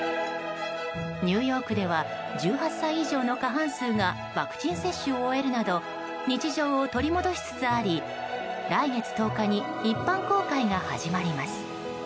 ニューヨークでは１８歳以上の過半数がワクチン接種を終えるなど日常を取り戻しつつあり来月１０日に一般公開が始まります。